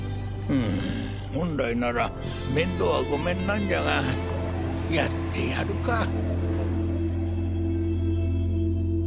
うむ本来なら面倒は御免なんじゃがやってやるか。